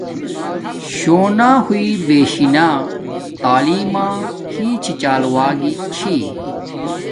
شونا ہوݵݵ بےشی نا تعیلم ما ہی چھی چال و گی چھی